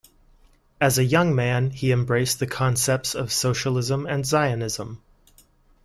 As a young man he embraced the concepts of socialism and Zionism.